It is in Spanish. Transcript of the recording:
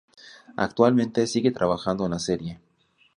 Actualmente sigue trabajando en la serie.